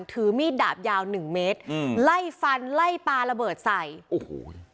ถือมีดดาบยาวหนึ่งเมตรอืมไล่ฟันไล่ปลาระเบิดใส่โอ้โห